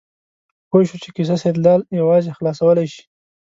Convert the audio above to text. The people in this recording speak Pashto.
پوه شو چې کیسه سیدلال یوازې خلاصولی شي.